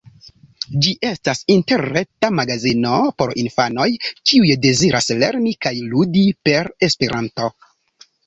Ĝi estas interreta magazino por infanoj, kiuj deziras lerni kaj ludi per Esperanto.